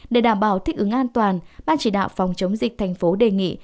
để đảm bảo thích ứng an toàn ban chỉ đạo phòng chống dịch thành phố đề nghị